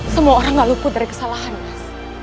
semua orang gak luput dari kesalahan mas